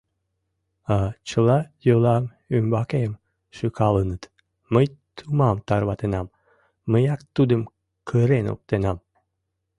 А чыла йолам ӱмбакем шӱкалыныт: мый тумам тарватенам, мыяк тудым кырен оптенам...